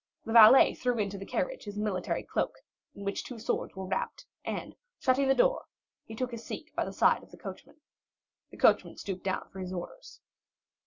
The valet threw into the carriage his military cloak, in which two swords were wrapped, and, shutting the door, he took his seat by the side of the coachman. The coachman stooped down for his orders.